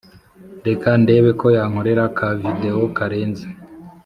Reka ndebe ko yankorera ka video karenze